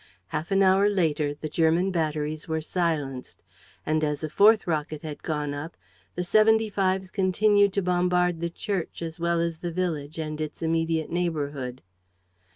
Half an hour later the German batteries were silenced; and as a fourth rocket had gone up the seventy fives continued to bombard the church as well as the village and its immediate neighborhood.